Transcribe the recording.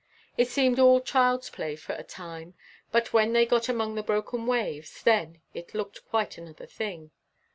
It seemed all child's play for a time; but when they got among the broken waves, then it looked quite another thing.